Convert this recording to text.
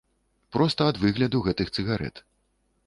Проста ад выгляду гэтых цыгарэт.